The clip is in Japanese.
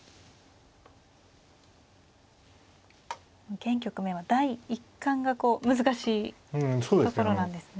現局面は第一感がこう難しいところなんですね。